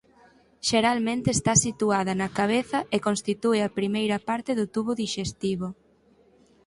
Xeralmente está situada na cabeza e constitúe a primeira parte do tubo dixestivo.